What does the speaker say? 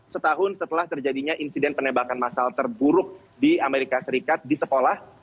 setahun setelah terjadinya insiden penembakan masal terburuk di amerika serikat di sekolah